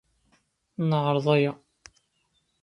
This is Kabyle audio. Ad neɛreḍ aya.